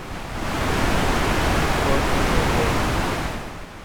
پرتونوو